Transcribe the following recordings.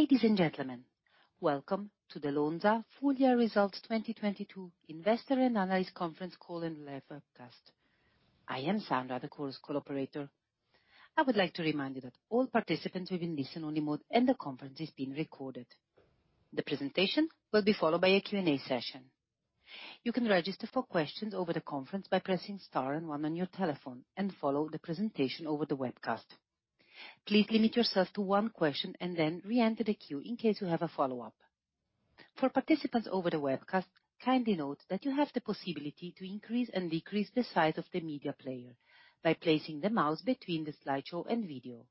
Ladies and gentlemen, welcome to the Lonza Full Year Results 2022 Investor and Analyst Conference Call and live webcast. I am Sandra, the Chorus Call operator. I would like to remind you that all participants will be in listen-only mode, and the conference is being recorded. The presentation will be followed by a Q&A session. You can register for questions over the conference by pressing star and one on your telephone and follow the presentation over the webcast. Please limit yourself to one question, then reenter the queue in case you have a follow-up. For participants over the webcast, kindly note that you have the possibility to increase and decrease the size of the media player by placing the mouse between the slideshow and video.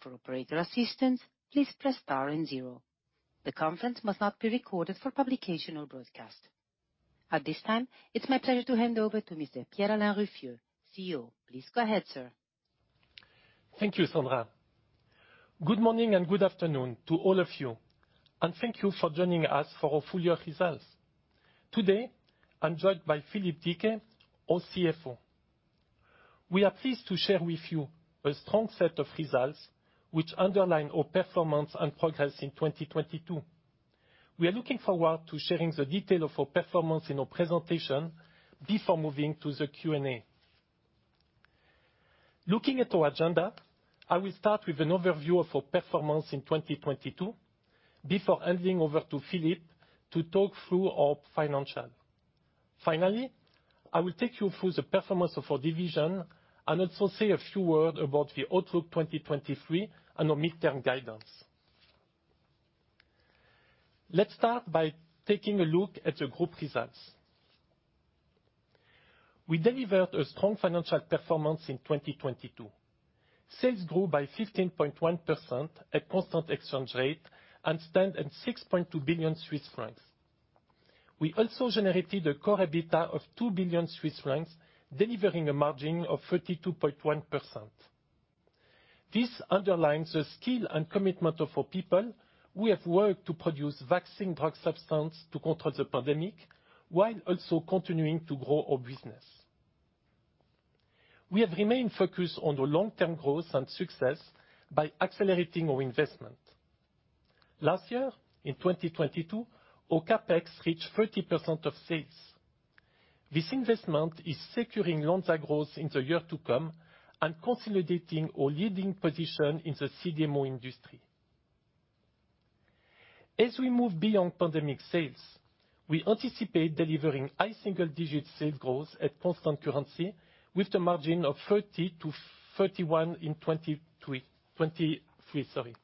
For operator assistance, please press star and zero. The conference must not be recorded for publication or broadcast. At this time, it's my pleasure to hand over to Mr. Pierre-Alain Ruffieux, CEO. Please go ahead, sir. Thank you, Sandra. Good morning and good afternoon to all of you, thank you for joining us for our full year results. Today, I'm joined by Philippe Deecke, our CFO. We are pleased to share with you a strong set of results which underline our performance and progress in 2022. We are looking forward to sharing the detail of our performance in our presentation before moving to the Q&A. Looking at our agenda, I will start with an overview of our performance in 2022 before handing over to Philippe to talk through our financials. Finally, I will take you through the performance of our division and also say a few word about the outlook 2023 and our midterm guidance. Let's start by taking a look at the group results. We delivered a strong financial performance in 2022. Sales grew by 15.1% at constant exchange rate and stand at 6.2 billion Swiss francs. We also generated a CORE EBITDA of 2 billion Swiss francs, delivering a margin of 32.1%. This underlines the skill and commitment of our people. We have worked to produce vaccine drug substance to control the pandemic while also continuing to grow our business. We have remained focused on the long-term growth and success by accelerating our investment. Last year, in 2022, our CapEx reached 30% of sales. This investment is securing Lonza growth in the year to come and consolidating our leading position in the CDMO industry. As we move beyond pandemic sales, we anticipate delivering high single-digit sales growth at constant currency with a margin of 30%-31% in 2023.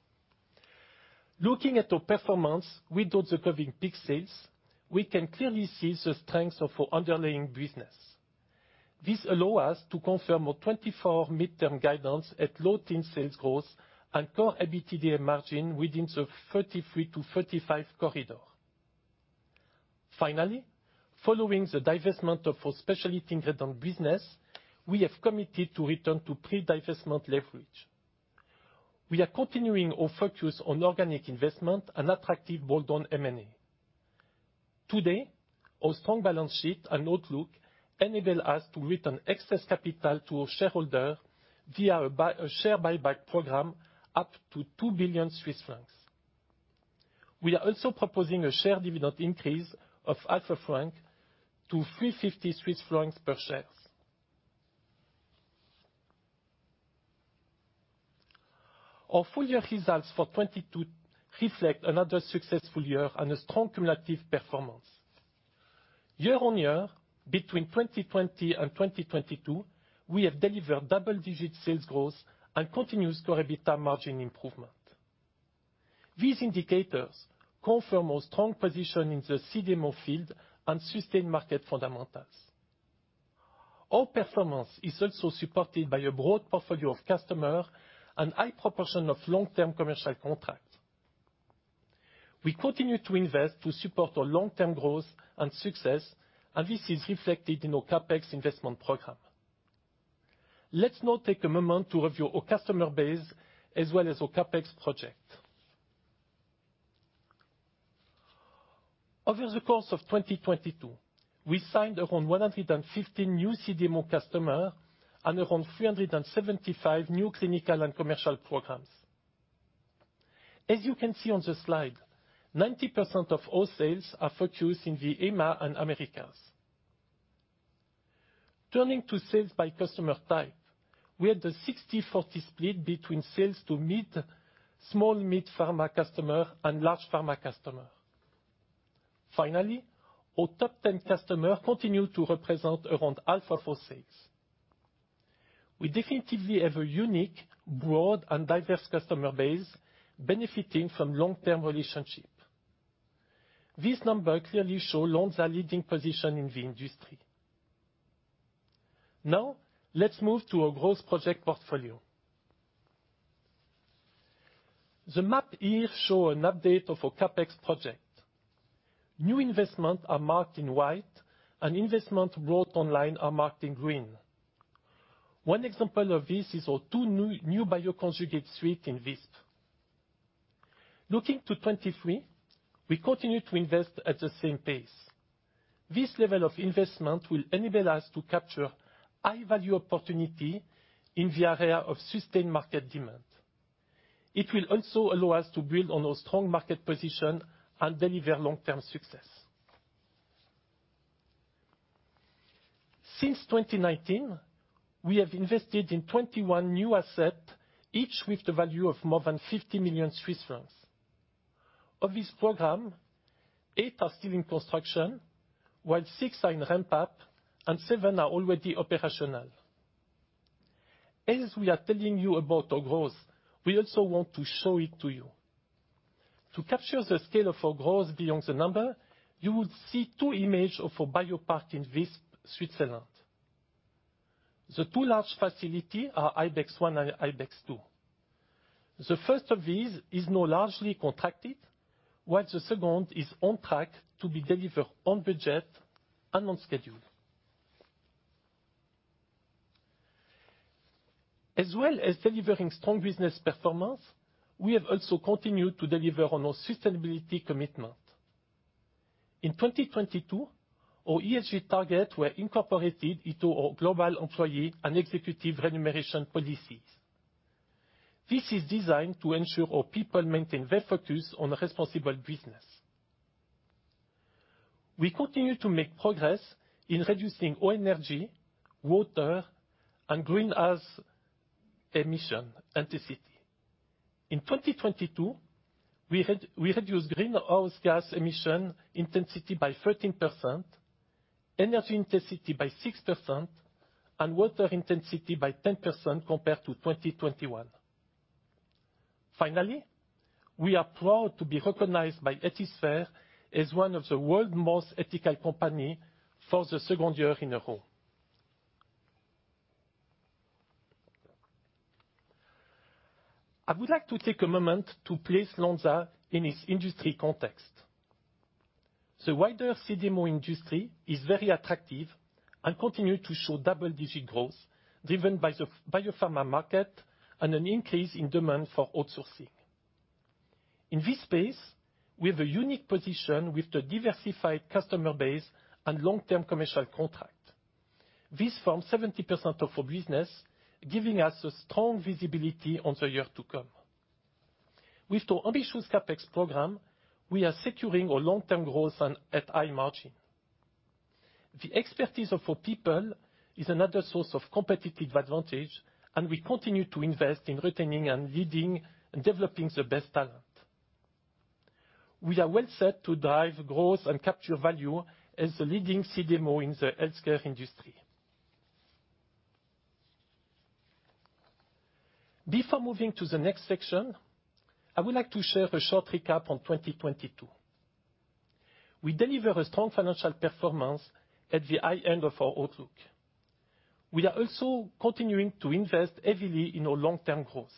Looking at our performance without the COVID peak sales, we can clearly see the strength of our underlying business. This allow us to confirm our 2024 midterm guidance at low-teen sales growth and CORE EBITDA margin within the 33%-35% corridor. Following the divestment of our Specialty Ingredients business, we have committed to return to pre-divestment leverage. We are continuing our focus on organic investment and attractive bolt-on M&A. Our strong balance sheet and outlook enable us to return excess capital to our shareholder via a share buyback program up to 2 billion Swiss francs. We are also proposing a share dividend increase of alpha franc to 3.50 Swiss francs per share. Our full year results for 2022 reflect another successful year and a strong cumulative performance. Year-on-year, between 2020 and 2022, we have delivered double-digit sales growth and continuous CORE EBITDA margin improvement. These indicators confirm our strong position in the CDMO field and sustain market fundamentals. Our performance is also supported by a broad portfolio of customer and high proportion of long-term commercial contracts. We continue to invest to support our long-term growth and success. This is reflected in our CapEx investment program. Let's now take a moment to review our customer base as well as our CapEx project. Over the course of 2022, we signed around 115 new CDMO customer and around 375 new clinical and commercial programs. As you can see on the slide, 90% of all sales are focused in the EMA and Americas. Turning to sales by customer type, we had a 60-40 split between sales to small mid-pharma customer and large pharma customer. Our top 10 customer continue to represent around half of our sales. We definitively have a unique, broad, and diverse customer base benefiting from long-term relationship. This number clearly show Lonza leading position in the industry. Let's move to our growth project portfolio. The map here show an update of our CapEx project. New investment are marked in white, and investment brought online are marked in green. One example of this is our two new bioconjugate suite in Visp. Looking to 2023, we continue to invest at the same pace. This level of investment will enable us to capture high-value opportunity in the area of sustained market demand. It will also allow us to build on our strong market position and deliver long-term success. Since 2019, we have invested in 21 new asset, each with the value of more than 50 million Swiss francs. Of this program, eight are still in construction, while six are in ramp-up and seven are already operational. As we are telling you about our growth, we also want to show it to you. To capture the scale of our growth beyond the number, you would see two image of a biopark in Visp, Switzerland. The two large facility are Ibex One and Ibex Two. The first of these is now largely contracted, while the second is on track to be delivered on budget and on schedule. As well as delivering strong business performance, we have also continued to deliver on our sustainability commitment. In 2022, our ESG targets were incorporated into our global employee and executive remuneration policies. This is designed to ensure our people maintain their focus on responsible business. We continue to make progress in reducing our energy, water, and greenhouse emission intensity. In 2022, we reduced greenhouse gas emission intensity by 13%, energy intensity by 6%, and water intensity by 10% compared to 2021. Finally, we are proud to be recognized by Ethisphere as one of the world's most ethical company for the second year in a row. I would like to take a moment to place Lonza in its industry context. The wider CDMO industry is very attractive and continue to show double-digit growth driven by the biopharma market and an increase in demand for outsourcing. In this space, we have a unique position with a diversified customer base and long-term commercial contract. This forms 70% of our business, giving us a strong visibility on the year to come. With the ambitious CapEx program, we are securing our long-term growth and at high margin. The expertise of our people is another source of competitive advantage, and we continue to invest in retaining and leading and developing the best talent. We are well set to drive growth and capture value as the leading CDMO in the healthcare industry. Before moving to the next section, I would like to share a short recap on 2022. We deliver a strong financial performance at the high end of our outlook. We are also continuing to invest heavily in our long-term growth.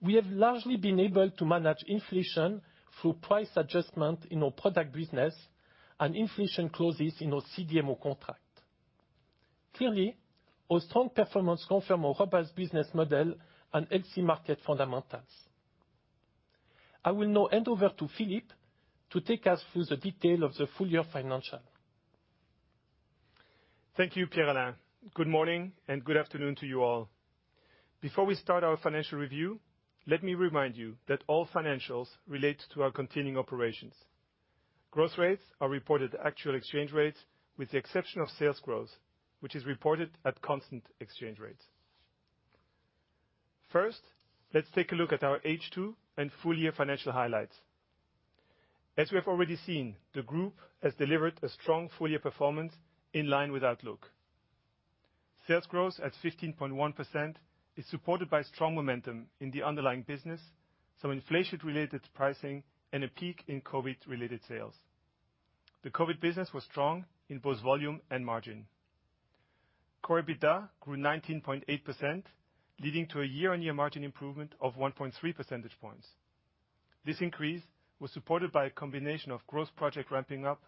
We have largely been able to manage inflation through price adjustment in our product business and inflation clauses in our CDMO contract. Clearly, our strong performance confirm our robust business model and healthy market fundamentals. I will now hand over to Philippe to take us through the detail of the full-year financial. Thank you, Pierre-Alain. Good morning and good afternoon to you all. Before we start our financial review, let me remind you that all financials relate to our continuing operations. Growth rates are reported at actual exchange rates, with the exception of sales growth, which is reported at constant exchange rates. First, let's take a look at our H2 and full-year financial highlights. As we have already seen, the group has delivered a strong full-year performance in line with outlook. Sales growth at 15.1% is supported by strong momentum in the underlying business, some inflation-related pricing, and a peak in COVID-related sales. The COVID business was strong in both volume and margin. CORE EBITDA grew 19.8%, leading to a year-on-year margin improvement of 1.3 percentage points. This increase was supported by a combination of growth project ramping up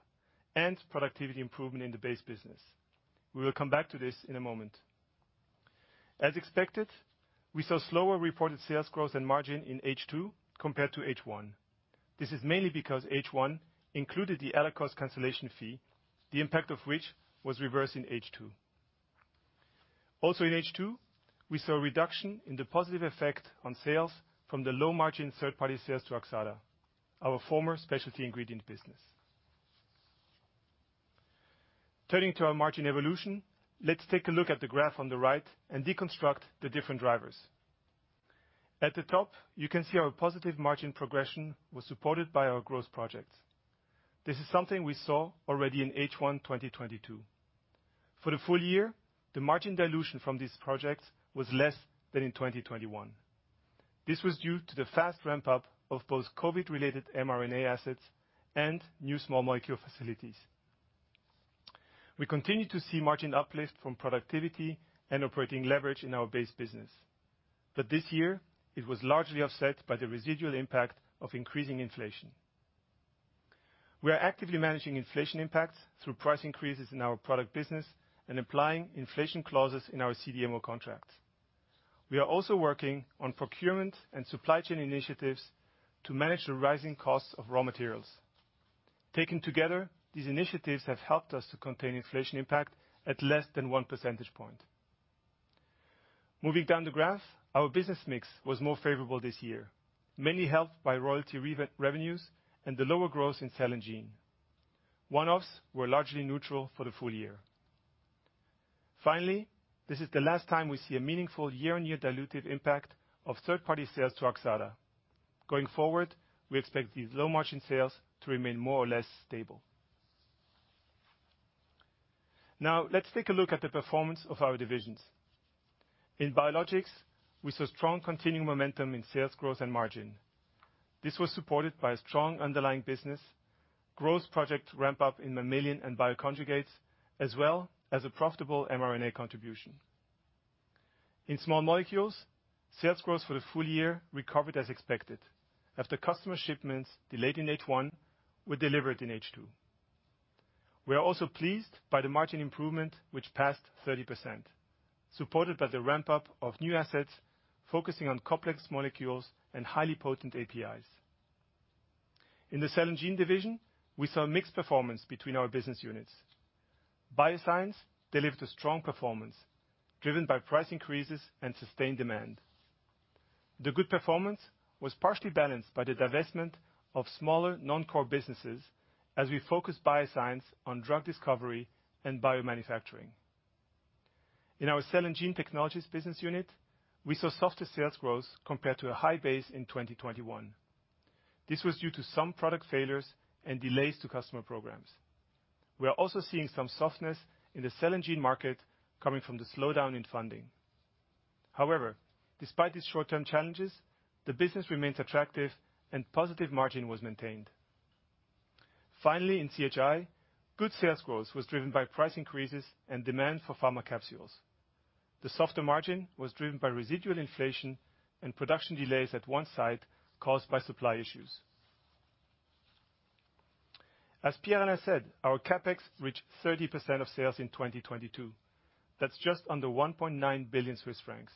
and productivity improvement in the base business. We will come back to this in a moment. As expected, we saw slower reported sales growth and margin in H2 compared to H1. This is mainly because H1 included the Allakos cancellation fee, the impact of which was reversed in H2. Also in H2, we saw a reduction in the positive effect on sales from the low-margin third-party sales to Arxada, our former Specialty Ingredients business. Turning to our margin evolution, let's take a look at the graph on the right and deconstruct the different drivers. At the top, you can see our positive margin progression was supported by our growth projects. This is something we saw already in H1 2022. For the full year, the margin dilution from these projects was less than in 2021. This was due to the fast ramp-up of both COVID-related mRNA assets and new small molecule facilities. We continue to see margin uplift from productivity and operating leverage in our base business. This year, it was largely offset by the residual impact of increasing inflation. We are actively managing inflation impacts through price increases in our product business and applying inflation clauses in our CDMO contracts. We are also working on procurement and supply chain initiatives to manage the rising costs of raw materials. Taken together, these initiatives have helped us to contain inflation impact at less than one percentage point. Moving down the graph, our business mix was more favorable this year, mainly helped by royalty revenues and the lower growth in cell and gene. One-offs were largely neutral for the full year. Finally, this is the last time we see a meaningful year-on-year dilutive impact of third-party sales to Arxada. Going forward, we expect these low-margin sales to remain more or less stable. Let's take a look at the performance of our divisions. In Biologics, we saw strong continuing momentum in sales growth and margin. This was supported by a strong underlying business, growth project ramp up in mammalian and bioconjugates as well as a profitable mRNA contribution. In small molecules, sales growth for the full year recovered as expected after customer shipments delayed in H1 were delivered in H2. We are also pleased by the margin improvement which passed 30%, supported by the ramp-up of new assets focusing on complex molecules and highly potent APIs. In the cell and gene division, we saw mixed performance between our business units. Bioscience delivered a strong performance driven by price increases and sustained demand. The good performance was partially balanced by the divestment of smaller non-core businesses as we focus Bioscience on drug discovery and biomanufacturing. In our cell and gene technologies business unit, we saw softer sales growth compared to a high base in 2021. This was due to some product failures and delays to customer programs. We are also seeing some softness in the cell and gene market coming from the slowdown in funding. However, despite these short-term challenges, the business remains attractive and positive margin was maintained. Finally, in CHI, good sales growth was driven by price increases and demand for pharma capsules. The softer margin was driven by residual inflation and production delays at one site caused by supply issues. As Pierre-Alain said, our CapEx reached 30% of sales in 2022. That's just under 1.9 billion Swiss francs.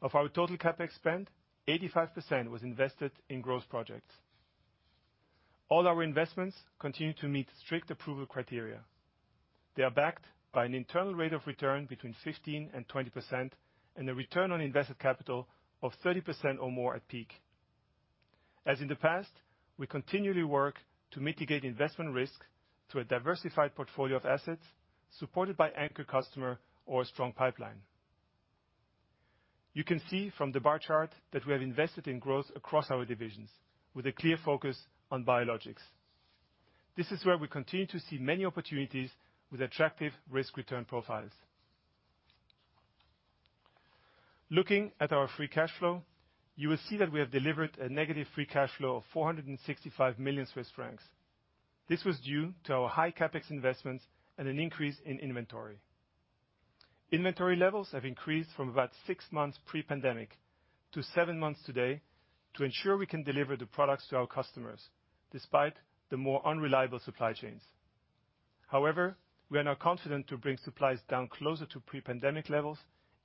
Of our total CapEx spend, 85% was invested in growth projects. All our investments continue to meet strict approval criteria. They are backed by an internal rate of return between 15% and 20% and a return on invested capital of 30% or more at peak. As in the past, we continually work to mitigate investment risk through a diversified portfolio of assets supported by anchor customer or a strong pipeline. You can see from the bar chart that we have invested in growth across our divisions with a clear focus on Biologics. This is where we continue to see many opportunities with attractive risk-return profiles. Looking at our free cash flow, you will see that we have delivered a negative free cash flow of 465 million Swiss francs. This was due to our high CapEx investments and an increase in inventory. Inventory levels have increased from about six months pre-pandemic to seven months today to ensure we can deliver the products to our customers despite the more unreliable supply chains. We are now confident to bring supplies down closer to pre-pandemic levels,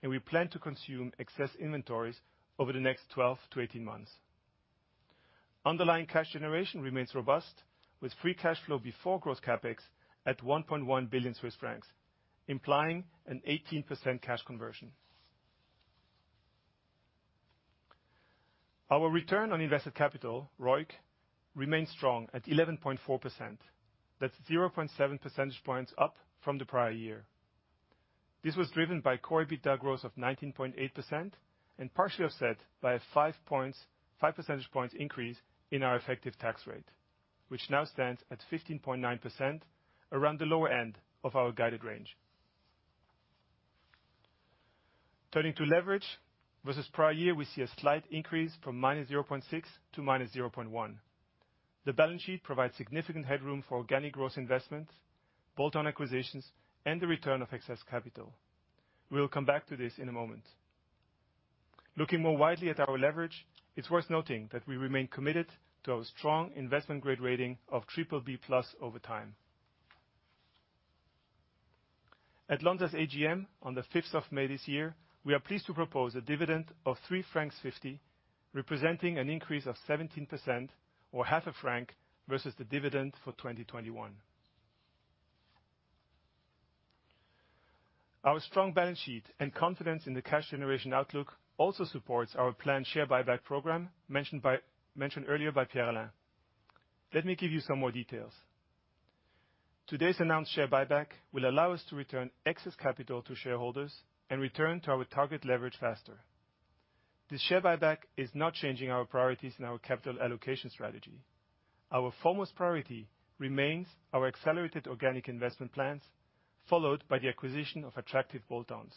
and we plan to consume excess inventories over the next 12-18 months. Underlying cash generation remains robust, with free cash flow before gross CapEx at 1.1 billion Swiss francs, implying an 18% cash conversion. Our return on invested capital, ROIC, remains strong at 11.4%. That's 0.7 percentage points up from the prior year. This was driven by CORE EBITDA growth of 19.8% partially offset by a 5 percentage points increase in our effective tax rate, which now stands at 15.9% around the lower end of our guided range. Turning to leverage. Versus prior year, we see a slight increase from -0.6 to -0.1. The balance sheet provides significant headroom for organic growth investments, bolt-on acquisitions, and the return of excess capital. We will come back to this in a moment. Looking more widely at our leverage, it's worth noting that we remain committed to our strong investment-grade rating of BBB+ over time. At Lonza's AGM on the fifth of May this year, we are pleased to propose a dividend of 3.50 francs, representing an increase of 17% or half a CHF versus the dividend for 2021. Our strong balance sheet and confidence in the cash generation outlook also supports our planned share buyback program mentioned earlier by Pierre-Alain Ruffieux. Let me give you some more details. Today's announced share buyback will allow us to return excess capital to shareholders and return to our target leverage faster. This share buyback is not changing our priorities in our capital allocation strategy. Our foremost priority remains our accelerated organic investment plans, followed by the acquisition of attractive bolt-ons.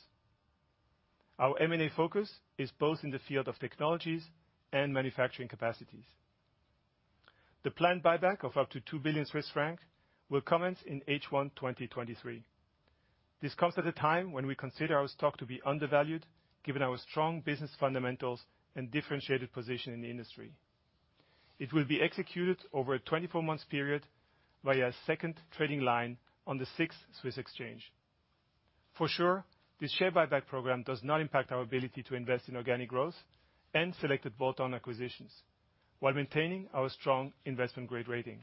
Our M&A focus is both in the field of technologies and manufacturing capacities. The planned buyback of up to 2 billion Swiss francs will commence in H1 2023. This comes at a time when we consider our stock to be undervalued given our strong business fundamentals and differentiated position in the industry. It will be executed over a 24-month period by a second trading line on the SIX Swiss Exchange. For sure, this share buyback program does not impact our ability to invest in organic growth and selected bolt-on acquisitions while maintaining our strong investment grade rating.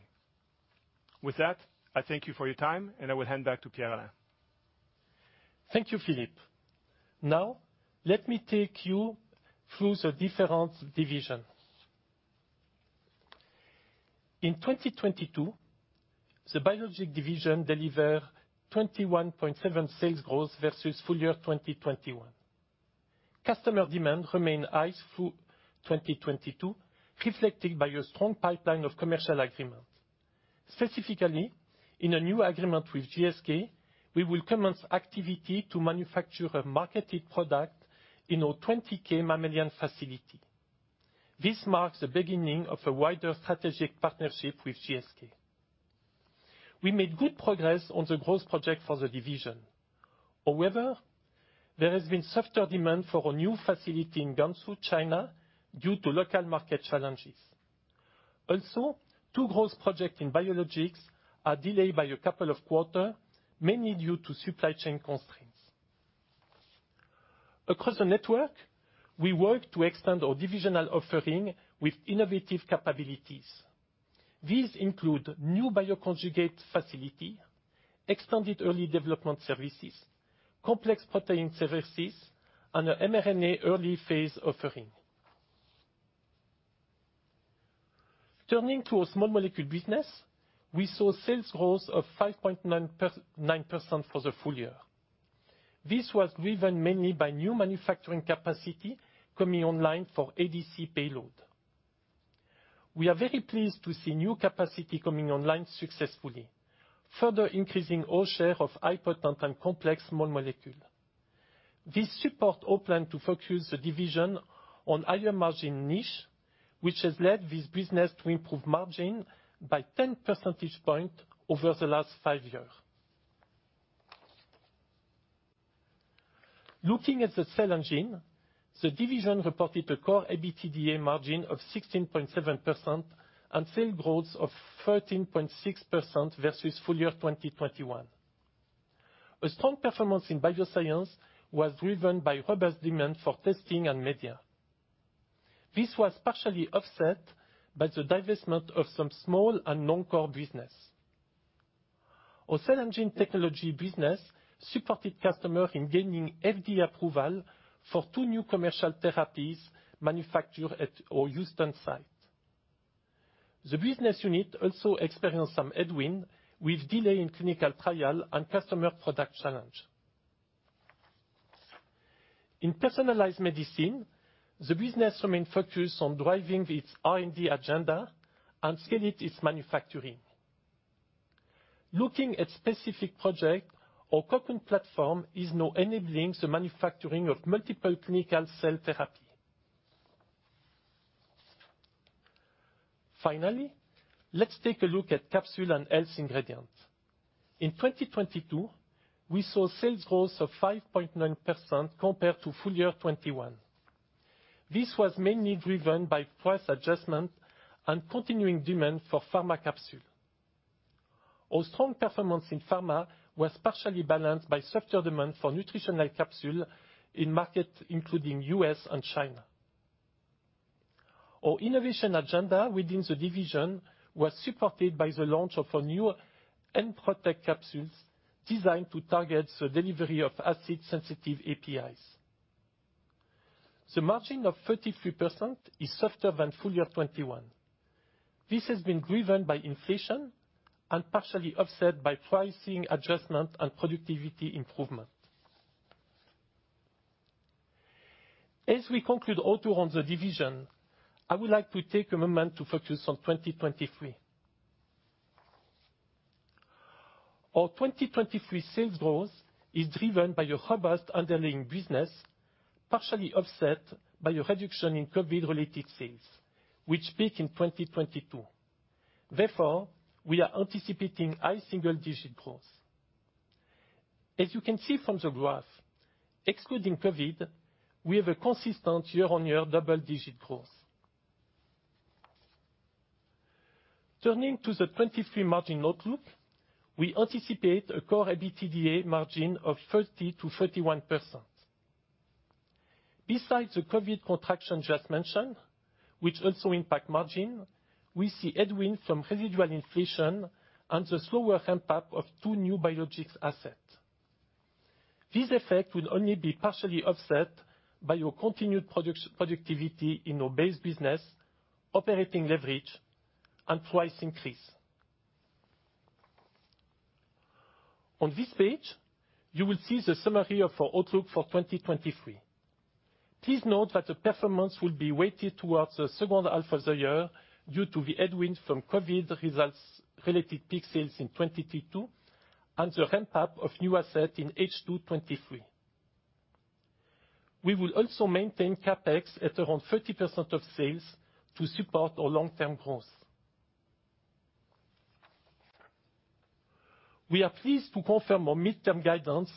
With that, I thank you for your time, and I will hand back to Pierre-Alain. Thank you, Philippe. Let me take you through the different divisions. In 2022, the biologic division delivered 21.7% sales growth versus full year 2021. Customer demand remained high through 2022, reflected by a strong pipeline of commercial agreements. In a new agreement with GSK, we will commence activity to manufacture a marketed product in our 20K mammalian facility. This marks the beginning of a wider strategic partnership with GSK. We made good progress on the growth project for the division. There has been softer demand for a new facility in Guangzhou, China, due to local market challenges. Two growth projects in Biologics are delayed by a couple of quarters, mainly due to supply chain constraints. Across the network, we work to extend our divisional offering with innovative capabilities. These include new bioconjugate facility, expanded early development services, complex protein services, and an mRNA early phase offering. Turning to our small molecule business, we saw sales growth of 5.99% for the full year. This was driven mainly by new manufacturing capacity coming online for ADC payload. We are very pleased to see new capacity coming online successfully, further increasing our share of high potent and complex small molecule. This supports our plan to focus the division on higher margin niche, which has led this business to improve margin by 10 percentage points over the last five years. Looking at the cell and gene, the division reported a CORE EBITDA margin of 16.7% and sales growth of 13.6% versus full year 2021. A strong performance in Bioscience was driven by robust demand for testing and media. This was partially offset by the divestment of some small and non-core business. Our cell and gene technology business supported customers in gaining FDA approval for two new commercial therapies manufactured at our Houston site. The business unit also experienced some headwind with delay in clinical trial and customer product challenge. In personalized medicine, the business remains focused on driving its R&D agenda and scaling its manufacturing. Looking at specific projects, our Cocoon Platform is now enabling the manufacturing of multiple clinical cell therapy. Finally, let's take a look at capsule and health ingredients. In 2022, we saw sales growth of 5.9% compared to full year 2021. This was mainly driven by price adjustment and continuing demand for pharma capsule. Our strong performance in pharma was partially balanced by softer demand for nutritional capsule in markets including U.S. and China. Our innovation agenda within the division was supported by the launch of our new Enprotect capsules designed to target the delivery of acid-sensitive APIs. The margin of 33% is softer than full year 2021. This has been driven by inflation and partially offset by pricing adjustment and productivity improvement. We conclude our tour on the division, I would like to take a moment to focus on 2023. Our 2023 sales growth is driven by a robust underlying business, partially offset by a reduction in COVID-related sales, which peaked in 2022. We are anticipating high single-digit growth. You can see from the graph, excluding COVID, we have a consistent year-on-year double-digit growth. Turning to the 2023 margin outlook, we anticipate a CORE EBITDA margin of 30%-31%. Besides the COVID contraction just mentioned, which also impact margin, we see headwind from residual inflation and the slower ramp-up of two new biologics assets. This effect will only be partially offset by our continued productivity in our base business, operating leverage, and price increase. On this page, you will see the summary of our outlook for 2023. Please note that the performance will be weighted towards the second half of the year due to the headwind from COVID results-related peak sales in 2022 and the ramp-up of new asset in H2 2023. We will also maintain CapEx at around 30% of sales to support our long-term growth. We are pleased to confirm our midterm guidance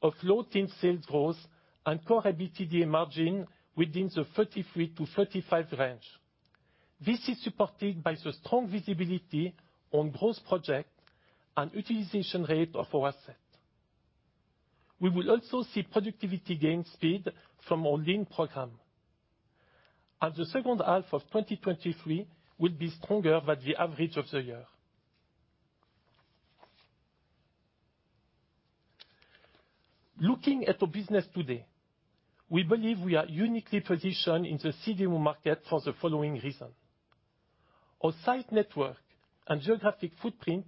of low teen sales growth and CORE EBITDA margin within the 33%-35% range. This is supported by the strong visibility on growth project and utilization rate of our asset. We will also see productivity gain speed from our Lean program. The second half of 2023 will be stronger than the average of the year. Looking at our business today, we believe we are uniquely positioned in the CDMO market for the following reason. Our site network and geographic footprint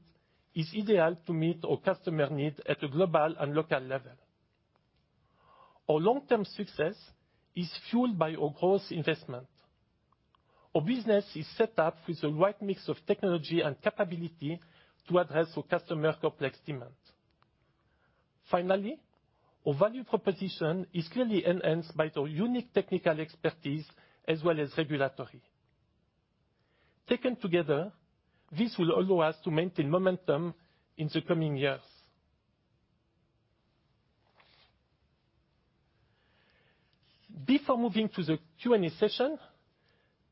is ideal to meet our customer needs at a global and local level. Our long-term success is fueled by our growth investment. Our business is set up with the right mix of technology and capability to address our customer complex demand. Finally, our value proposition is clearly enhanced by our unique technical expertise as well as regulatory. Taken together, this will allow us to maintain momentum in the coming years. Before moving to the Q&A session,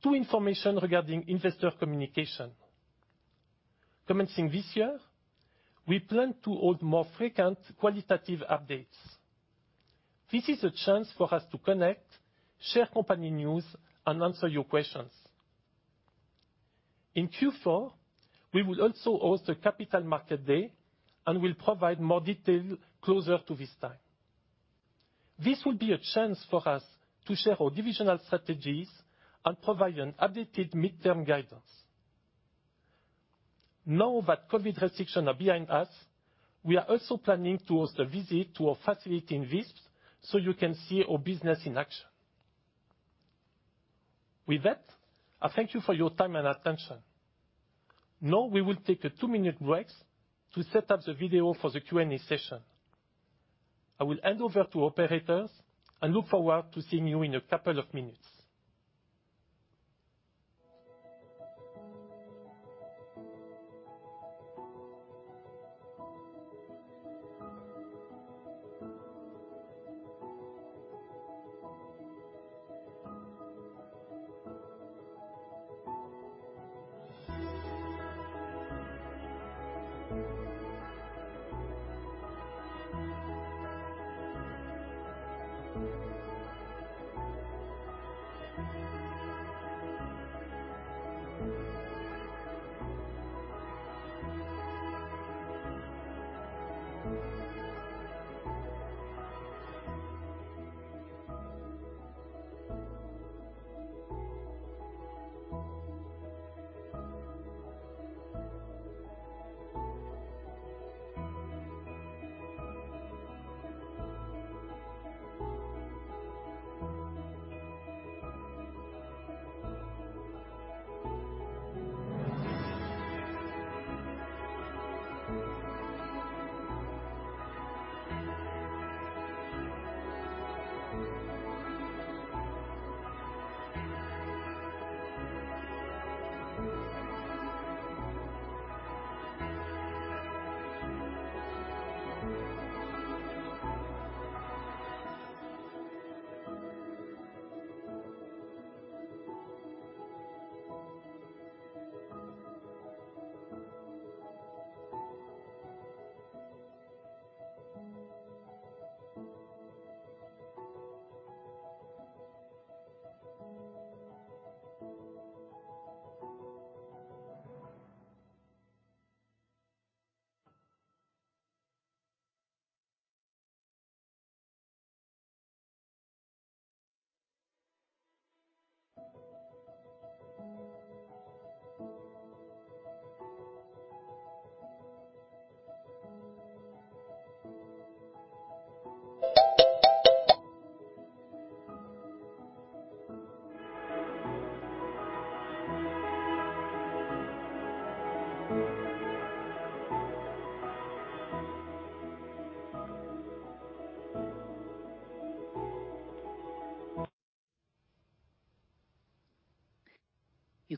two information regarding investor communication. Commencing this year, we plan to hold more frequent qualitative updates. This is a chance for us to connect, share company news, and answer your questions. In Q4, we will also host a Capital Markets Day and will provide more detail closer to this time. This will be a chance for us to share our divisional strategies and provide an updated midterm guidance. Now that COVID restrictions are behind us, we are also planning to host a visit to our facility in Visp, so you can see our business in action. With that, I thank you for your time and attention. Now, we will take a two-minute break to set up the video for the Q&A session. I will hand over to operators and look forward to seeing you in a couple of minutes.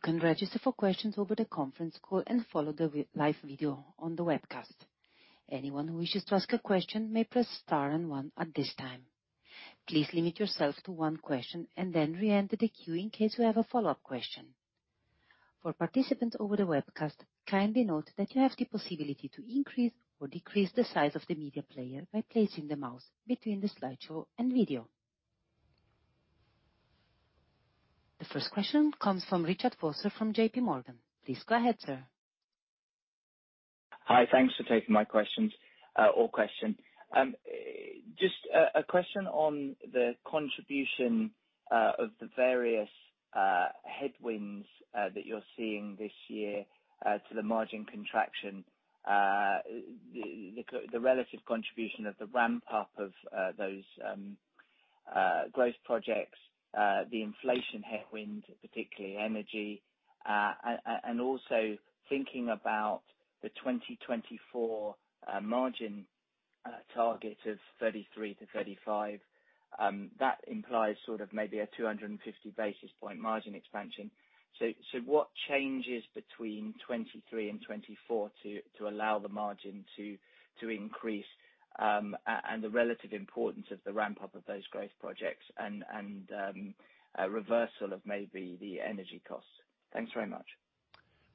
You can register for questions over the conference call and follow the live video on the webcast. Anyone who wishes to ask a question may press star one at this time. Please limit yourself to one question and then re-enter the queue in case you have a follow-up question. For participants over the webcast, kindly note that you have the possibility to increase or decrease the size of the media player by placing the mouse between the slideshow and video. The first question comes from Richard Vosser from J.P. Morgan. Please go ahead, sir. Hi. Thanks for taking my questions, or question. Just a question on the contribution of the various headwinds that you're seeing this year to the margin contraction. The relative contribution of the ramp-up of those growth projects, the inflation headwind, particularly energy, and also thinking about the 2024 margin. A target of 33%-35%, that implies sort of maybe a 250 basis point margin expansion. What changes between 2023 and 2024 to allow the margin to increase, and the relative importance of the ramp-up of those growth projects and a reversal of maybe the energy costs? Thanks very much.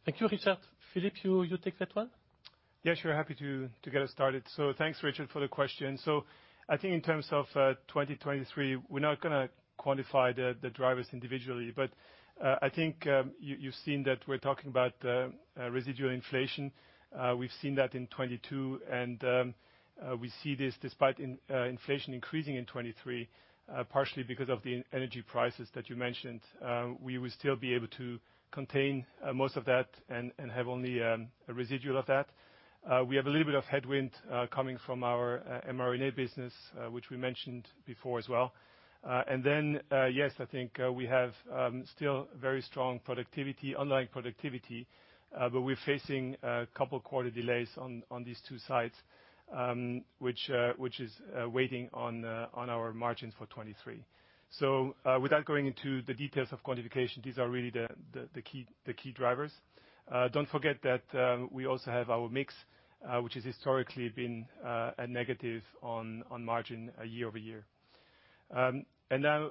Thank you, Richard. Philippe, you take that one? Happy to get us started. Thanks, Richard, for the question. I think in terms of 2023, we're not gonna quantify the drivers individually. I think you've seen that we're talking about residual inflation. We've seen that in 2022, and we see this despite inflation increasing in 2023, partially because of the energy prices that you mentioned. We will still be able to contain most of that and have only a residual of that. We have a little bit of headwind coming from our mRNA business, which we mentioned before as well. Yes, I think we have still very strong productivity, online productivity, but we're facing a couple quarter delays on these two sites, which is weighing on our margins for 2023. Without going into the details of quantification, these are really the key drivers. Don't forget that we also have our mix, which has historically been a negative on margin year-over-year. Now,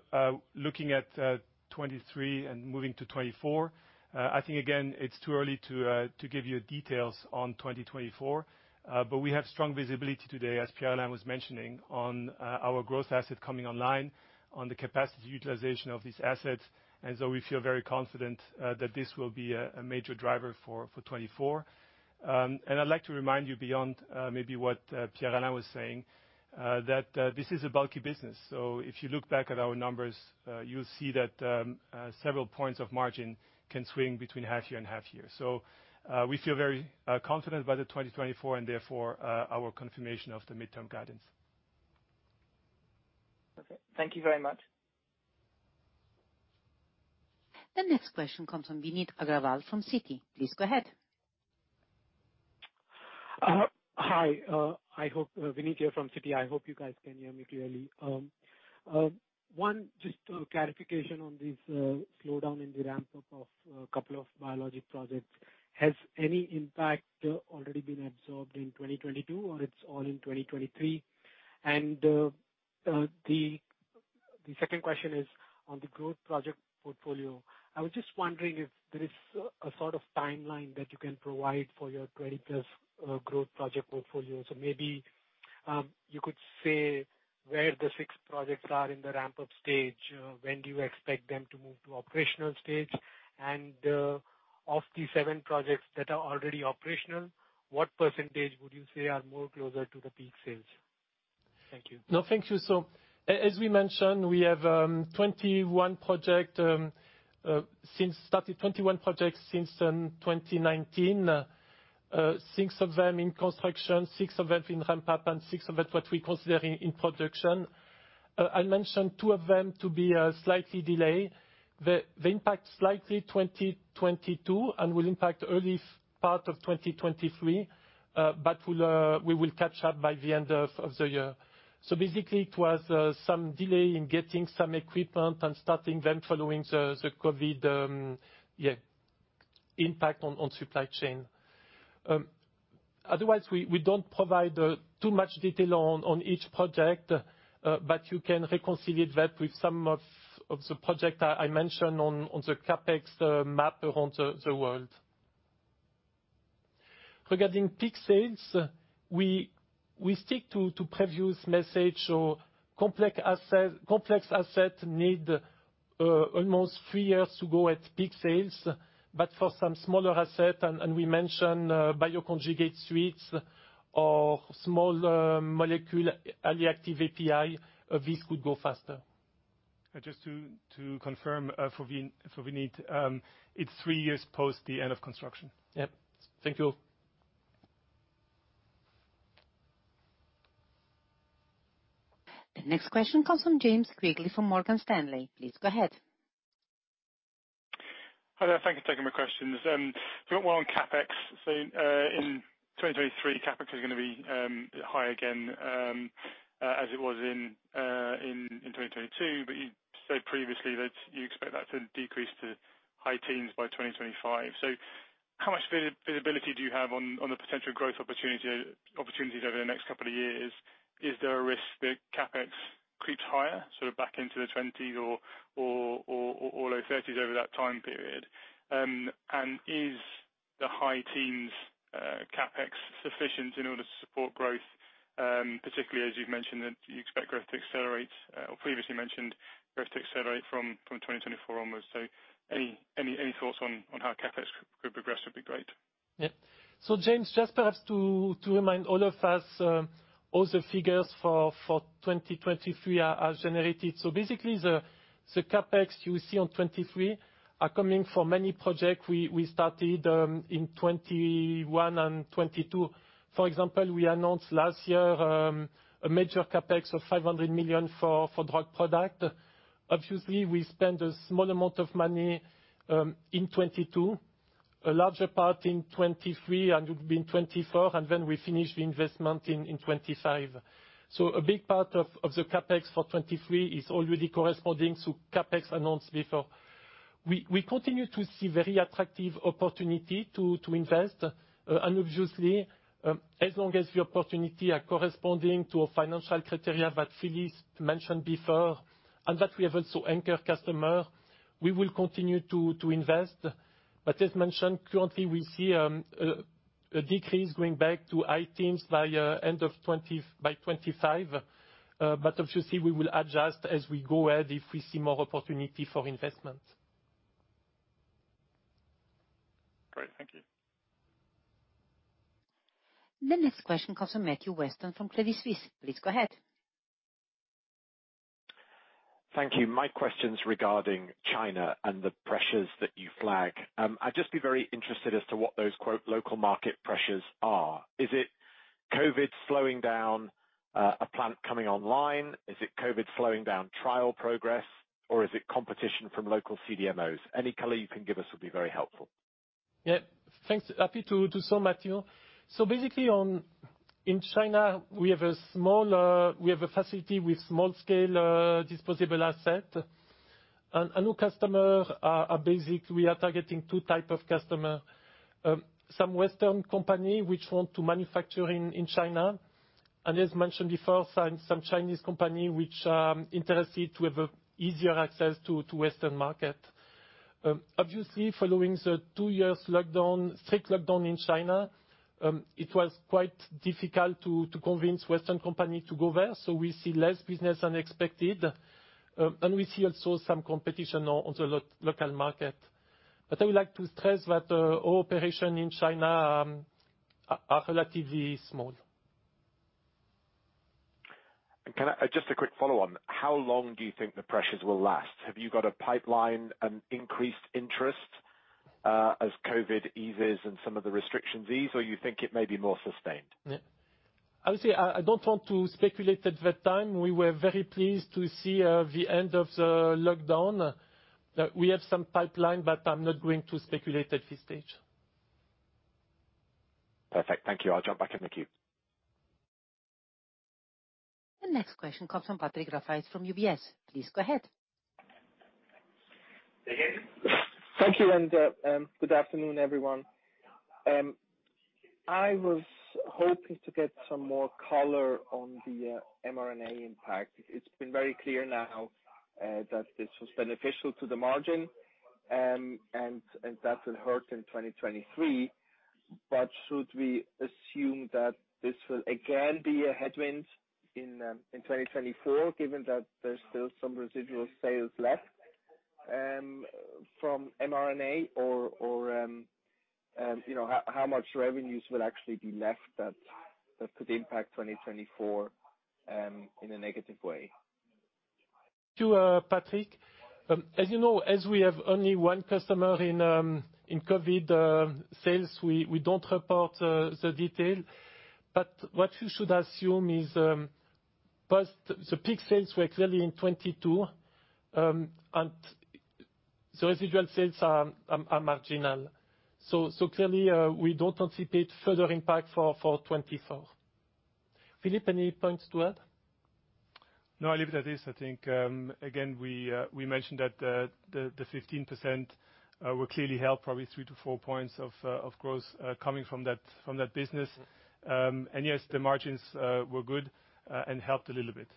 looking at 2023 and moving to 2024, I think again, it's too early to give you details on 2024. But we have strong visibility today, as Pierre-Alain was mentioning, on our growth asset coming online on the capacity utilization of these assets. We feel very confident that this will be a major driver for 2024. I'd like to remind you, beyond maybe what Pierre-Alain was saying, that this is a bulky business. If you look back at our numbers, you'll see that several points of margin can swing between half year and half year. We feel very confident about 2024 and therefore, our confirmation of the midterm guidance. Okay. Thank you very much. The next question comes from Vineet Agarwal from Citi. Please go ahead. Hi. Vineet here from Citi. I hope you guys can hear me clearly. One just clarification on this slowdown in the ramp-up of a couple of biologic projects. Has any impact already been absorbed in 2022 or it's all in 2023? The second question is on the growth project portfolio. I was just wondering if there is a sort of timeline that you can provide for your 20+ growth project portfolio. Maybe you could say where the six projects are in the ramp-up stage, when do you expect them to move to operational stage? Of the seven projects that are already operational, what % would you say are more closer to the peak sales? Thank you. No, thank you. As we mentioned, we have since started 21 projects since 2019. Six of them in construction, six of them in ramp-up, and six of it what we consider in production. I mentioned two of them to be slightly delayed. They impact slightly 2022 and will impact early part of 2023, but we will catch up by the end of the year. Basically it was some delay in getting some equipment and starting then following the COVID impact on supply chain. Otherwise we don't provide too much detail on each project, but you can reconcile it that with some of the project I mentioned on the CapEx map around the world. Regarding peak sales, we stick to previous message. Complex asset, complex asset need almost three years to go at peak sales. For some smaller asset, and we mention bioconjugate suites or small molecule early active API, this could go faster. Just to confirm, for Vineet, it's three years post the end of construction. Yep. Thank you. The next question comes from James Quigley from Morgan Stanley. Please go ahead. Hi there. Thank you for taking my questions. First one on CapEx. In 2023, CapEx is gonna be high again as it was in 2022. You said previously that you expect that to decrease to high teens by 2025. How much visibility do you have on the potential growth opportunities over the next couple of years? Is there a risk that CapEx creeps higher, sort of back into the twenties or low thirties over that time period? Is the high teens CapEx sufficient in order to support growth, particularly as you've mentioned that you expect growth to accelerate or previously mentioned growth to accelerate from 2024 onwards? Any thoughts on how CapEx could progress would be great. Yeah. James, just perhaps to remind all of us, all the figures for 2023 are generated. Basically the CapEx you see on 2023 are coming from many project we started in 2021 and 2022. For example, we announced last year a major CapEx of 500 million for drug product. Obviously, we spent a small amount of money in 2022. A larger part in 2023, and it would be in 2024, then we finish the investment in 2025. A big part of the CapEx for 2023 is already corresponding to CapEx announced before. We continue to see very attractive opportunity to invest. Obviously, as long as the opportunity are corresponding to a financial criteria that Philippe mentioned before, and that we have also anchor customer, we will continue to invest. As mentioned, currently we see a decrease going back to high teens by end of 2025. Obviously we will adjust as we go ahead if we see more opportunity for investment. Great. Thank you. The next question comes from Matthew Weston from Credit Suisse. Please go ahead. Thank you. My question's regarding China and the pressures that you flag. I'd just be very interested as to what those quote, "local market pressures" are. Is it COVID slowing down, a plant coming online? Is it COVID slowing down trial progress, or is it competition from local CDMOs? Any color you can give us would be very helpful. Yeah. Thanks. Happy to so Matthew. Basically in China, we have a small facility with small scale disposable asset. Our new customer are basic. We are targeting two type of customer. Some Western company which want to manufacture in China. As mentioned before, some Chinese company which interested to have a easier access to Western market. Obviously, following the two years lockdown, strict lockdown in China, it was quite difficult to convince Western company to go there, we see less business than expected. We see also some competition on the local market. I would like to stress that our operation in China are relatively small. Just a quick follow on. How long do you think the pressures will last? Have you got a pipeline and increased interest as COVID eases and some of the restrictions ease, or you think it may be more sustained? Yeah. Obviously, I don't want to speculate at that time. We were very pleased to see the end of the lockdown, that we have some pipeline, I'm not going to speculate at this stage. Perfect. Thank you. I'll drop back in the queue. The next question comes from Patrick Rafaisz from UBS. Please go ahead. Thank you. Good afternoon, everyone. I was hoping to get some more color on the mRNA impact. It's been very clear now that this was beneficial to the margin, and that will hurt in 2023. Should we assume that this will again be a headwind in 2024, given that there's still some residual sales left from mRNA or, you know, how much revenues will actually be left that could impact 2024 in a negative way? To Patrick, as you know, as we have only one customer in COVID sales, we don't report the detail. What you should assume is, first, the peak sales were clearly in 2022. The residual sales are marginal. Clearly, we don't anticipate further impact for 2024. Philippe, any points to add? No, I leave it at this. I think, again, we mentioned that the 15% will clearly help probably 3-4 points of growth coming from that business. Yes, the margins were good and helped a little bit.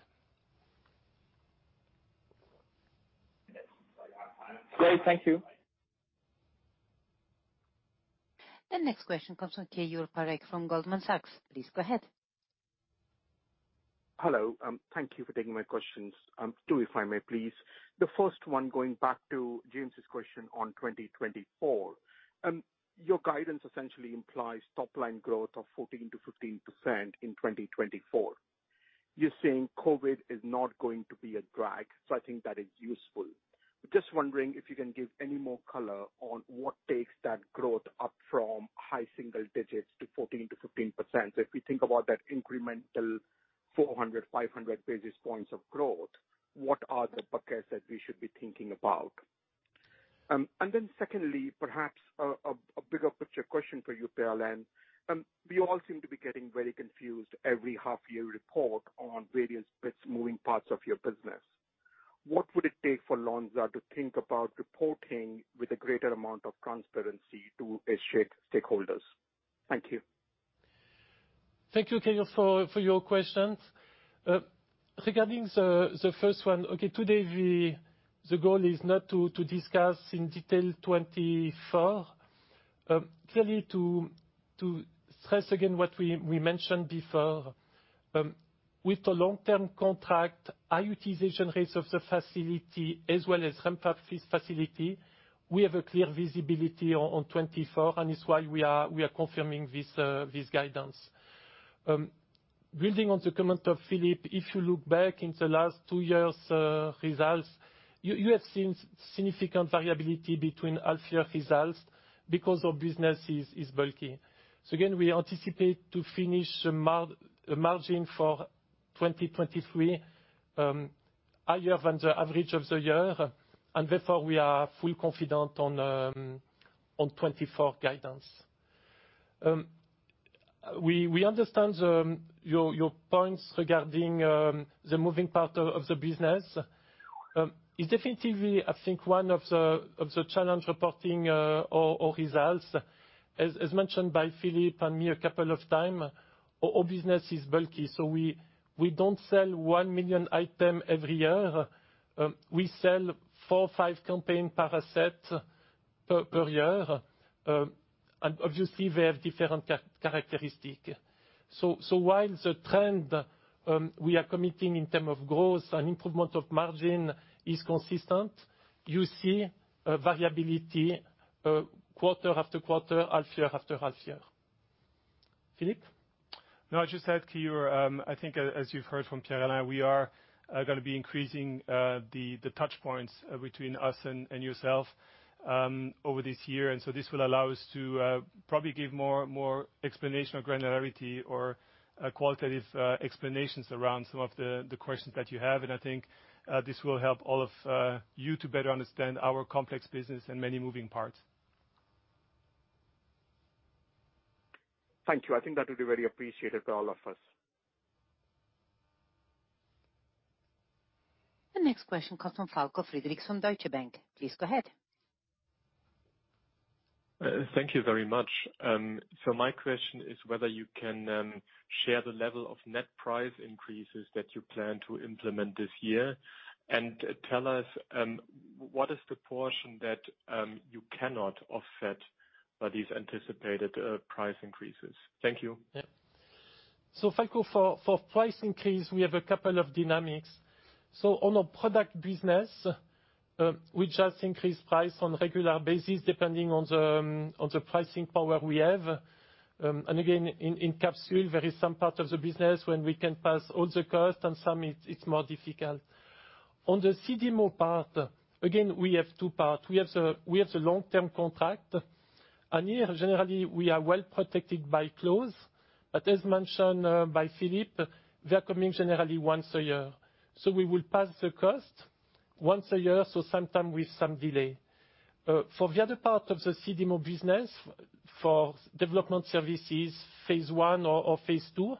Great. Thank you. The next question comes from Keyur Parekh from Goldman Sachs. Please go ahead. Hello, thank you for taking my questions, two if I may please. The first one, going back to James' question on 2024, your guidance essentially implies top line growth of 14%-15% in 2024. You're saying COVID is not going to be a drag, so I think that is useful. Just wondering if you can give any more color on what takes that growth up from high single digits to 14%-15%. Secondly, perhaps a bigger picture question for you, Pierre, and we all seem to be getting very confused every half year report on various bits, moving parts of your business. What would it take for Lonza to think about reporting with a greater amount of transparency to its shareholders? Thank you. Thank you, Keyur, for your questions. Regarding the first one, okay, today the goal is not to discuss in detail 2024. Clearly to stress again what we mentioned before, with the long-term contract, high utilization rates of the facility as well as ramp up this facility, we have a clear visibility on 2024, and it's why we are confirming this guidance. Building on the comment of Philippe, if you look back in the last two years' results, you have seen significant variability between half year results because our business is bulky. Again, we anticipate to finish the margin for 2023, higher than the average of the year, and therefore we are fully confident on 2024 guidance. We understand the your points regarding the moving part of the business. It's definitely, I think one of the challenge reporting or results. As mentioned by Philippe and me a couple of times, our business is bulky, we don't sell 1 million items every year. We sell four or five campaigns per asset per year. Obviously they have different characteristic. While the trend we are committing in terms of growth and improvement of margin is consistent, you see a variability quarter-after-quarter, half year after half year. Philippe? No, I'll just add, Keyur, I think as you've heard from Pierre-Alain, we are gonna be increasing the touch points between us and yourself over this year. This will allow us to probably give more explanation or granularity or qualitative explanations around some of the questions that you have. I think this will help all of you to better understand our complex business and many moving parts. Thank you. I think that will be very appreciated to all of us. The next question comes from Falko Friedrichs from Deutsche Bank. Please go ahead. Thank you very much. My question is whether you can share the level of net price increases that you plan to implement this year. Tell us, what is the portion that you cannot offset by these anticipated price increases? Thank you. Yeah. Falko, for price increase, we have a couple of dynamics. On a product business, we just increase price on regular basis depending on the pricing power we have. Again, in capsule there is some part of the business when we can pass all the cost, and some it's more difficult. On the CDMO part, again, we have two part. We have the long-term contract. Here, generally we are well protected by clause. As mentioned, by Philippe, they are coming generally once a year. We will pass the cost once a year, sometime with some delay. For the other part of the CDMO business, for development services, phase one or phase two,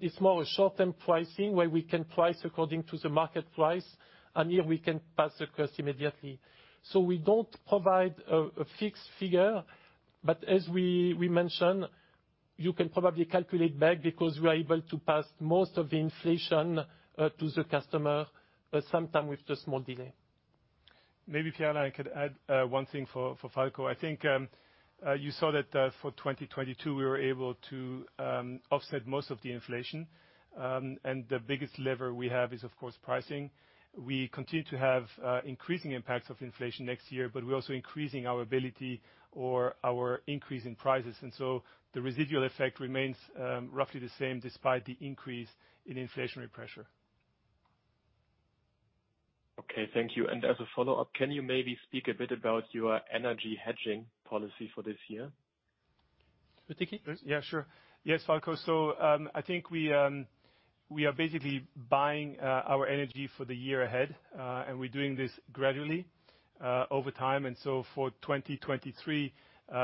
it's more a short-term pricing where we can price according to the market price. Here we can pass the cost immediately. We don't provide a fixed figure, but as we mentioned, you can probably calculate back because we are able to pass most of the inflation to the customer sometimes with the small delay. Maybe Pierre-Alain, I could add one thing for Falko. I think you saw that for 2022 we were able to offset most of the inflation. The biggest lever we have is of course pricing. We continue to have increasing impacts of inflation next year, but we're also increasing our ability or our increase in prices. The residual effect remains roughly the same despite the increase in inflationary pressure. Okay, thank you. As a follow-up, can you maybe speak a bit about your energy hedging policy for this year? Philippe? Yeah, sure. Yes, Falko. I think we are basically buying our energy for the year ahead, and we're doing this gradually over time. For 2023,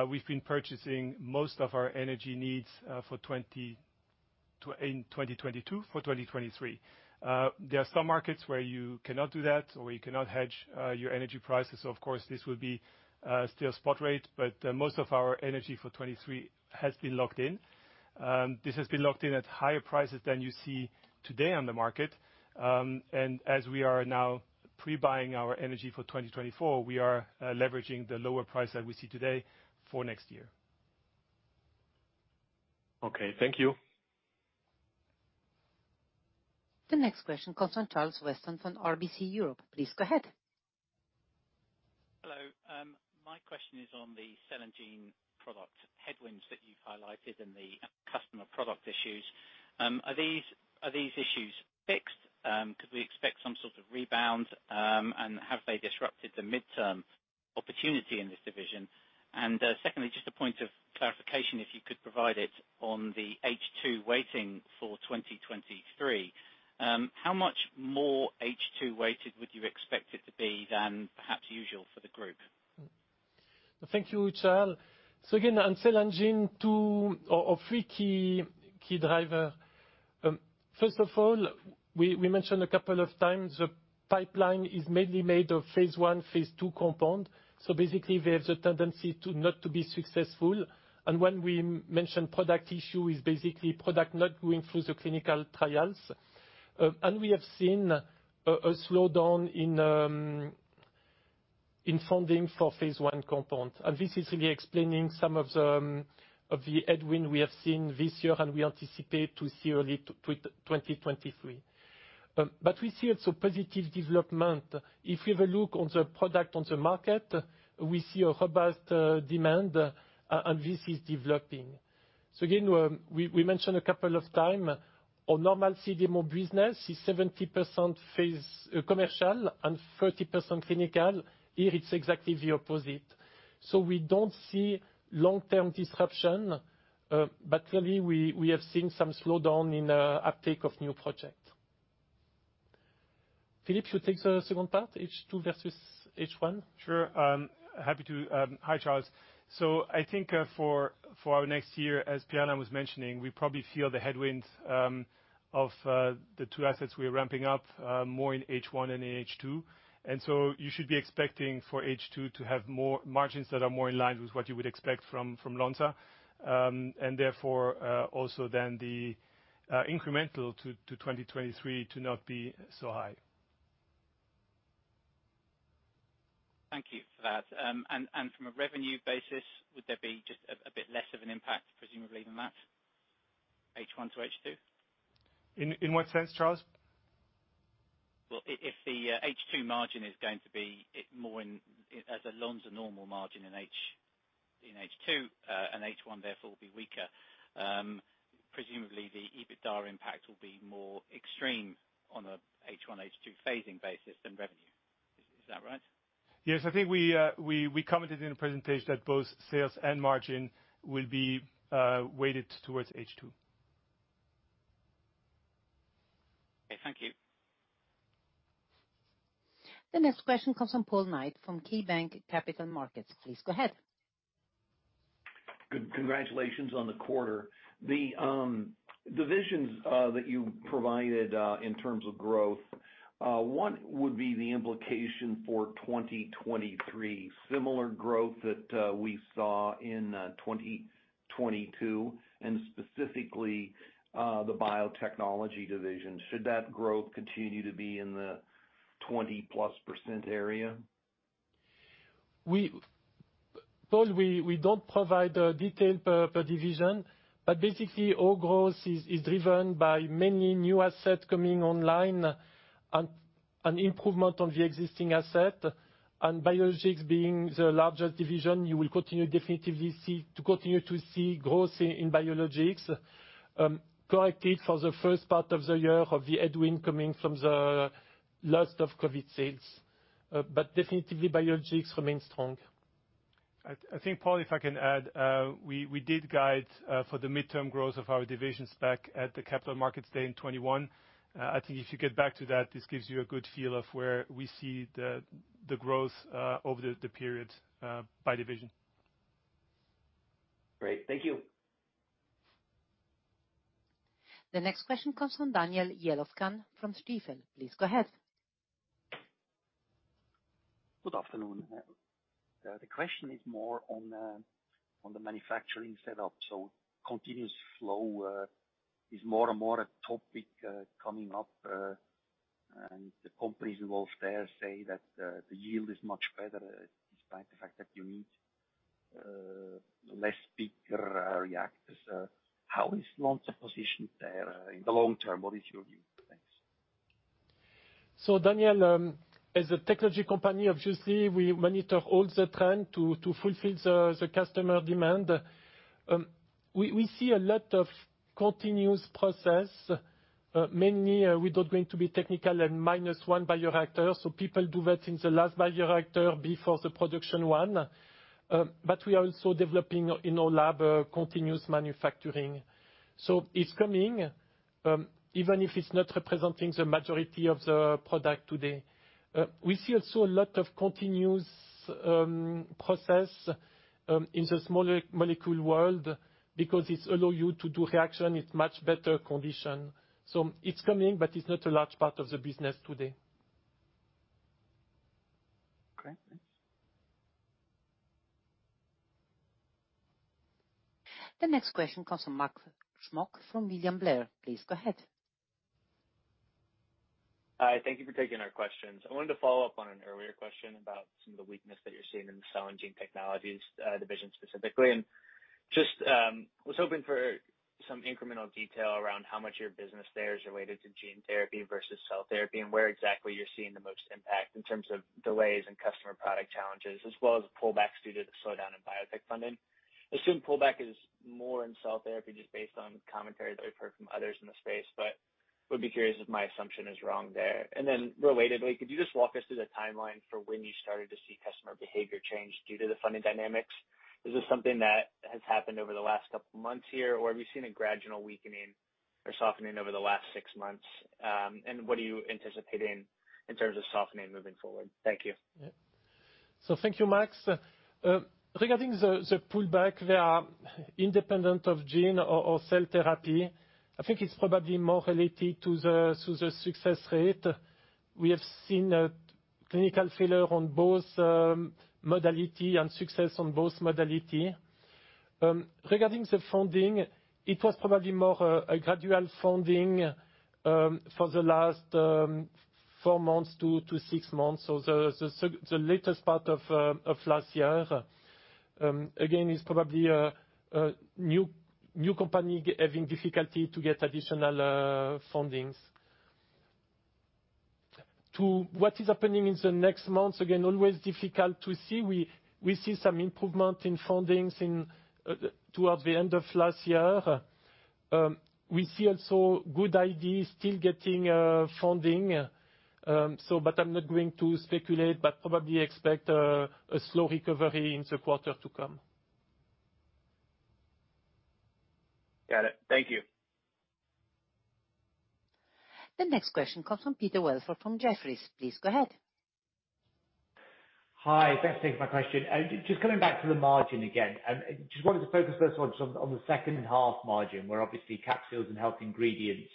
we've been purchasing most of our energy needs in 2022 for 2023. There are some markets where you cannot do that or you cannot hedge your energy prices, so of course this will be still spot rate. Most of our energy for 2023 has been locked in. This has been locked in at higher prices than you see today on the market. As we are now pre-buying our energy for 2024, we are leveraging the lower price that we see today for next year. Okay, thank you. The next question comes from Charles Weston from RBC Europe. Please go ahead. Hello. My question is on the Cell & Gene product headwinds that you've highlighted and the customer product issues. Are these issues fixed? Could we expect some sort of rebound, and have they disrupted the midterm opportunity in this division? Secondly, just a point of clarification, if you could provide it, on the H2 weighting for 2023. How much more H2 weighted would you expect it to be than perhaps usual for the group? Thank you, Charles. again, on cell and gene, two or three key driver. first of all, we mentioned a couple of time, the pipeline is mainly made of phase I, phase II compound. basically, they have the tendency to, not to be successful. when we mention product issue, it's basically product not going through the clinical trials. we have seen a slowdown in funding for phase I compound. this is really explaining some of the headwind we have seen this year and we anticipate to see early 2023. we see also positive development. If we have a look on the product on the market, we see a robust demand, and this is developing. Again, we mentioned a couple of time, our normal CDMO business is 70% phase commercial and 30% clinical. Here it's exactly the opposite. We don't see long-term disruption, but clearly we have seen some slowdown in uptake of new project. Philippe, you take the second part, H2 versus H1? Sure. Happy to. Hi, Charles. I think, for our next year, as Pierre-Alain Ruffieux was mentioning, we probably feel the headwinds, of the two assets we are ramping up, more in H1 than in H2. You should be expecting for H2 to have more margins that are more in line with what you would expect from Lonza. Also then the incremental to 2023 to not be so high. Thank you for that. From a revenue basis, would there be just a bit less of an impact, presumably, than that, H1 to H2? In what sense, Charles? Well, if the H2 margin is going to be more in, as a Lonza normal margin in H2, and H1 therefore will be weaker, presumably the EBITDA impact will be more extreme on a H1/H2 phasing basis than revenue. Is that right? Yes. I think we commented in the presentation that both sales and margin will be weighted towards H2. Okay. Thank you. The next question comes from Paul Knight from KeyBanc Capital Markets. Please go ahead. Congratulations on the quarter. The divisions that you provided in terms of growth, what would be the implication for 2023? Similar growth that we saw in 2022? Specifically, the biotechnology division, should that growth continue to be in the 20+% area? Paul, we don't provide detail per division, but basically all growth is driven by many new assets coming online and improvement on the existing asset. Biologics being the largest division, you will definitively continue to see growth in Biologics, correctly for the first part of the year of the headwind coming from the last of COVID sales. Definitively Biologics remains strong. I think, Paul, if I can add, we did guide for the midterm growth of our divisions back at the Capital Markets Day in 2021. I think if you get back to that, this gives you a good feel of where we see the growth over the period by division. Great. Thank you. The next question comes from Daniel Jelovcan from Stifel. Please go ahead. Good afternoon. The question is more on the manufacturing setup. Continuous flow is more and more a topic coming up, and the companies involved there say that the yield is much better despite the fact that you need less bigger reactors. How is Lonza positioned there in the long term? What is your view? Thanks. Daniel, as a technology company, obviously, we monitor all the trend to fulfill the customer demand. We see a lot of continuous process, mainly, without going to be technical and -1 bioreactor, people do that in the last bioreactor before the production one. We are also developing in our lab, continuous manufacturing. It's coming, even if it's not representing the majority of the product today. We see also a lot of continuous process in the smaller molecule world because it allow you to do reaction with much better condition. It's coming, it's not a large part of the business today. Great. Thanks. The next question comes from Max Smock from William Blair. Please go ahead. Hi. Thank you for taking our questions. I wanted to follow up on an earlier question about some of the weakness that you're seeing in the cell and gene technologies division specifically. Just was hoping for some incremental detail around how much of your business there is related to gene therapy versus cell therapy, and where exactly you're seeing the most impact in terms of delays and customer product challenges, as well as pullbacks due to the slowdown in biotech funding. Assume pullback is more in cell therapy just based on commentary that we've heard from others in the space, but would be curious if my assumption is wrong there. Relatedly, could you just walk us through the timeline for when you started to see customer behavior change due to the funding dynamics? Is this something that has happened over the last couple months here, or have you seen a gradual weakening or softening over the last six months? What are you anticipating in terms of softening moving forward? Thank you. Thank you, Max. Regarding the pullback, they are independent of gene or cell therapy. I think it's probably more related to the success rate. We have seen a clinical failure on both modality and success on both modality. Regarding the funding, it was probably more a gradual funding for the last four months to six months. The latest part of last year, again, is probably a new company having difficulty to get additional fundings. To what is happening in the next months, again, always difficult to see. We see some improvement in fundings towards the end of last year. We see also good ideas still getting funding. I'm not going to speculate, but probably expect a slow recovery in the quarter to come. Got it. Thank you. The next question comes from Peter Welford from Jefferies. Please go ahead. Hi, thanks for taking my question. Just coming back to the margin again. Just wanted to focus first on the second half margin, where obviously capsules and health ingredients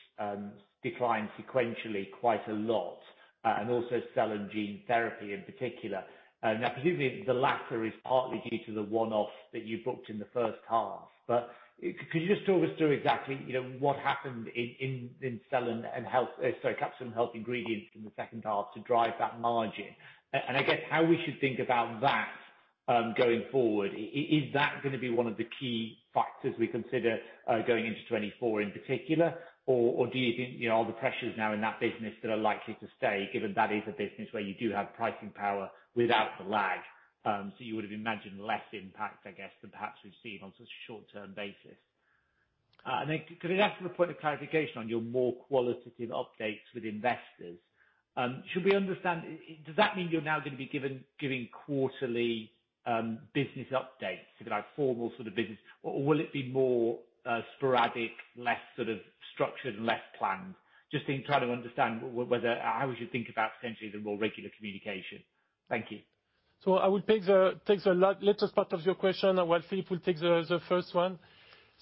declined sequentially quite a lot, and also cell and gene therapy in particular. Presumably the latter is partly due to the one-off that you booked in the first half. Could you just talk us through exactly, you know, what happened in caps and health ingredients in the second half to drive that margin? I guess how we should think about that going forward. Is that gonna be one of the key factors we consider going into 2024 in particular? Do you think, you know, are the pressures now in that business that are likely to stay, given that is a business where you do have pricing power without the lag, so you would have imagined less impact, I guess, than perhaps we've seen on such a short-term basis? Could I ask for a point of clarification on your more qualitative updates with investors? Should we understand, does that mean you're now gonna be giving quarterly business updates, sort of like formal business? Will it be more sporadic, less sort of structured, less planned? Just in trying to understand whether, how we should think about potentially the more regular communication. Thank you. I will take the latter part of your question, and while Philippe will take the first one.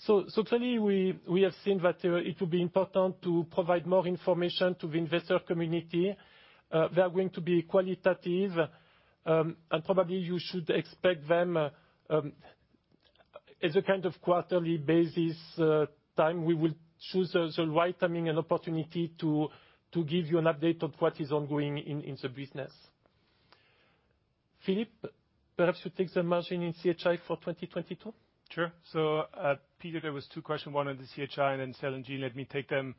Clearly we have seen that it will be important to provide more information to the investor community. They are going to be qualitative, and probably you should expect them, as a kind of quarterly basis, time. We will choose the right timing and opportunity to give you an update on what is ongoing in the business. Philippe, perhaps you take the margin in CHI for 2022. Sure. Peter, there were two questions, one on the CHI and then cell and gene. Let me take them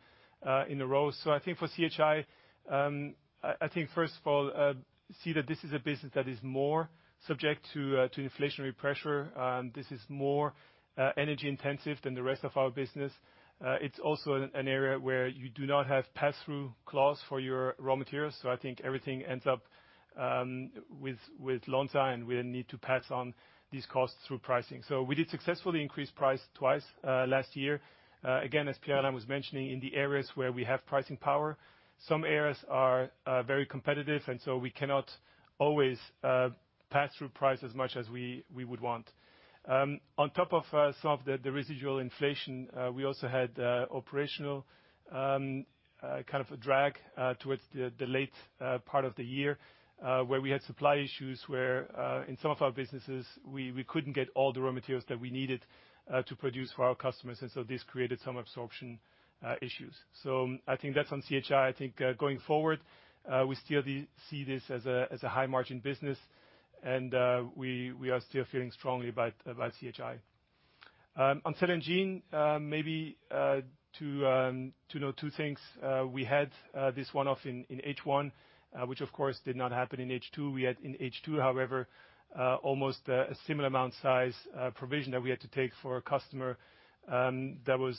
in a row. I think for CHI, I think first of all, see that this is a business that is more subject to inflationary pressure. This is more energy intensive than the rest of our business. It's also an area where you do not have pass-through clause for your raw materials. I think everything ends up with Lonza, and we need to pass on these costs through pricing. We did successfully increase price 2x last year. As Pierre-Alain was mentioning, in the areas where we have pricing power. Some areas are very competitive. We cannot always pass through price as much as we would want. On top of some of the residual inflation, we also had operational kind of a drag towards the late part of the year, where we had supply issues, where in some of our businesses, we couldn't get all the raw materials that we needed to produce for our customers. This created some absorption issues. I think that's on CHI. I think going forward, we still see this as a high margin business, and we are still feeling strongly about about CHI. On cell and gene, maybe, you know, two things. We had this one-off in H one, which of course did not happen in H two. We had in H2, however, almost a similar amount size provision that we had to take for a customer that was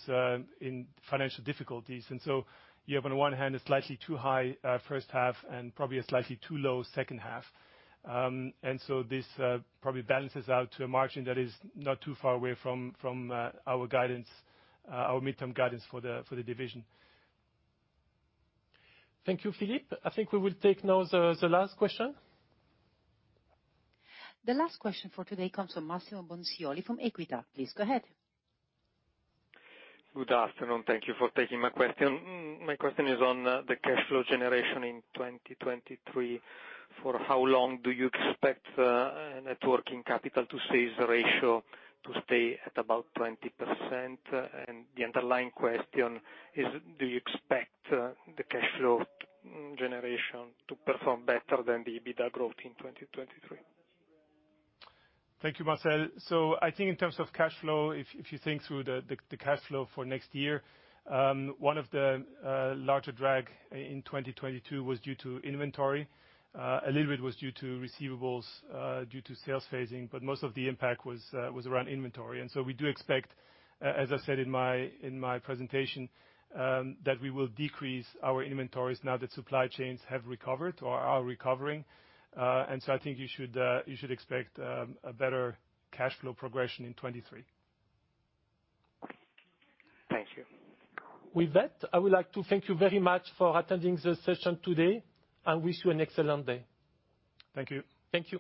in financial difficulties. You have on one hand a slightly too high first half and probably a slightly too low second half. This probably balances out to a margin that is not too far away from our guidance, our midterm guidance for the division. Thank you, Philippe. I think we will take now the last question. The last question for today comes from Massimo Bonisoli from Equita. Please go ahead. Good afternoon. Thank you for taking my question. My question is on the cash flow generation in 2023. For how long do you expect net working capital to sales ratio to stay at about 20%? The underlying question is, do you expect the cash flow generation to perform better than the EBITDA growth in 2023? Thank you, Massimo. I think in terms of cash flow, if you think through the cash flow for next year, one of the larger drag in 2022 was due to inventory. A little bit was due to receivables, due to sales phasing, but most of the impact was around inventory. We do expect, as I said in my presentation, that we will decrease our inventories now that supply chains have recovered or are recovering. I think you should expect a better cash flow progression in 2023. Thank you. With that, I would like to thank you very much for attending the session today and wish you an excellent day. Thank you. Thank you.